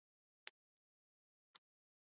温格斯特是德国下萨克森州的一个市镇。